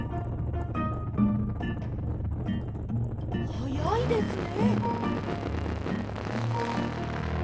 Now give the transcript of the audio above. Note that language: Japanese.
はやいですね。